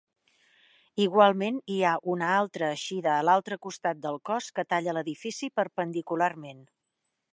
Igualment hi ha una altra eixida a l'altre costat del cos que talla l'edifici perpendicularment.